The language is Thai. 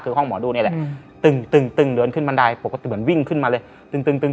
คือห้องหมอดูนี่แหละตึงเหลินขึ้นบันไดปกติเหมือนวิ่งขึ้นมาเลย